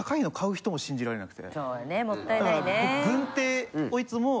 そうやねもったいないね。